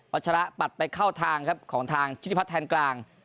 ัชระปัดไปเข้าทางครับของทางชิติพัฒนแทนกลาง